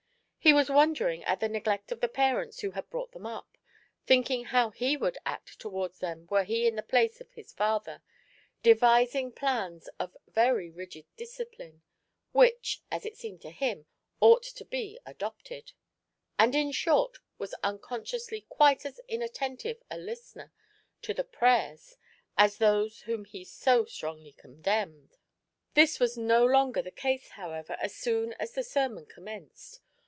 He was wondering at the neglect of the parents who had brought them up, thinking how he would act towards them were he in the pla«e of his father, devising plans of very rigid discipline, which, as it seemed to him, ought to be adopted ; and, in short, was unconsciously quite as in attentive a listener to the prayers as those whom he so gtrongly condemned. SUNDAY AT DOVE'S NEST. 85 This was no longer the case, however, as soon as the sermon commenced.